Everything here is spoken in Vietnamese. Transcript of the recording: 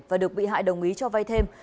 và được bị hại đồng ý cho vai thêm